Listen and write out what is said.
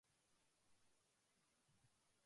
そろそろ食べますよ